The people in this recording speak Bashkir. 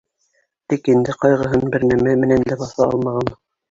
Тик инде ҡайғыһын бер нәмә менән дә баҫа алмаған.